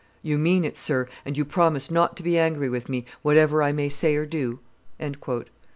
"You mean it, sir, and you promise not to be angry with me, whatever I may say or do?"